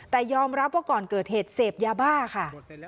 แต่ยอมรับว่าก่อนเกิดเหตุเสพยาบ้าค่ะ